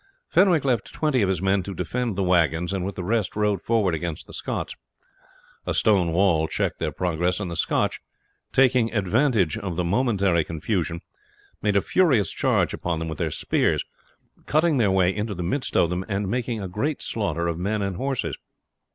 Fenwick left twenty of his men to defend the wagons, and with the rest rode forward against the Scots. A stone wall checked their progress, and the Scotch, taking advantage of the momentary confusion, made a furious charge upon them with their spears, cutting their way into the midst of them and making a great slaughter of men and horses.